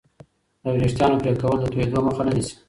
د وریښتانو پرې کول د توېدو مخه نه نیسي.